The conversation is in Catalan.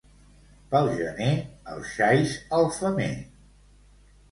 Pel gener, els xais al femer.